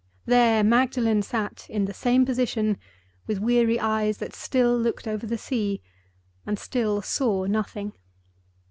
There Magdalen sat, in the same position, with weary eyes that still looked over the sea, and still saw nothing.